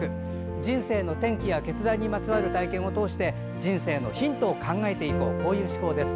人生の転機や決断にまつわる体験を通して人生のヒントを考えていこうという趣向です。